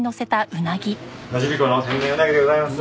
野尻湖の天然鰻でございます。